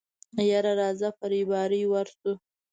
يره راځه په رېبارۍ ورشو.